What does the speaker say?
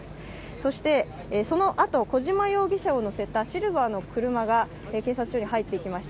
そのあと小島容疑者を乗せたシルバーの車が警察署に入っていきました。